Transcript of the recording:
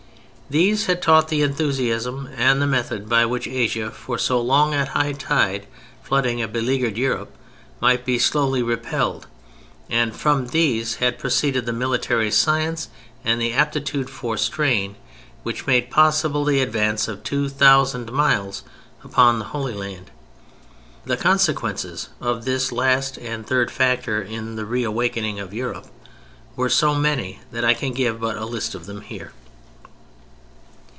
These had taught the enthusiasm and the method by which Asia, for so long at high tide flooding a beleaguered Europe, might be slowly repelled, and from these had proceeded the military science and the aptitude for strain which made possible the advance of two thousand miles upon the Holy Land. The consequences of this last and third factor in the re awakening of Europe were so many that I can give but a list of them here.